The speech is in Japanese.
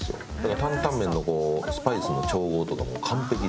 担々麺のスパイスの調合とかもう完璧で。